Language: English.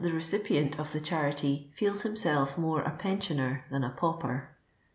recipient of the charity feels himself more a pensioner than a pauper.